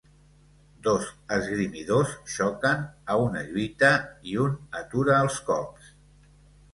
Dos esgrimidors xoquen a una lluita i un atura els cops.